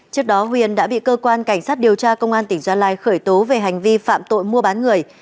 trước đó huyền đã bị cơ quan cảnh sát điều tra công an tỉnh gia lai khởi tố về hành vi phạm tội mua bán người